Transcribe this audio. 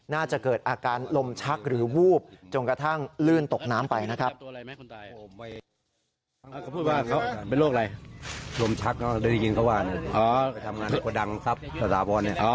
น่าจะเกิดอาการลมชักหรือวูบจนกระทั่งลื่นตกน้ำไปนะครับ